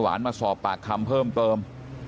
มาสอบปากคำเพิ่มเติม